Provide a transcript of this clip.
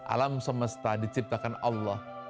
alam semesta diciptakan allah